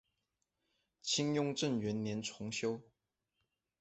清雍正元年重修。